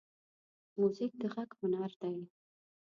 موزیک د غږ هنر دی.